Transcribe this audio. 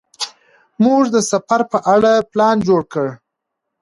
موږ د سفر په اړه پلان جوړ کړ.